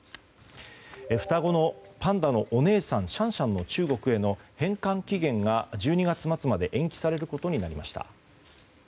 双子のパンダのお姉さんシャンシャンの中国への返還期限が１２月末まで延期されることになりました。